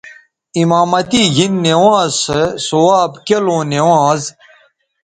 امامتی گھن نوانز سو ثواب کیلوں نوانز